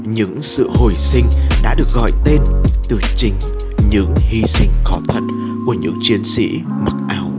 những sự hồi sinh đã được gọi tên từ chính những hy sinh khó thuật của những chiến sĩ mặc áo